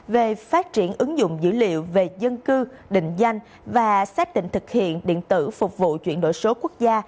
về phát triển ứng dụng dữ liệu về dân cư định danh và xác định thực hiện điện tử phục vụ chuyển đổi số quốc gia